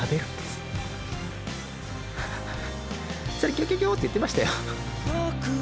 ギョギョギョって言ってましたよ。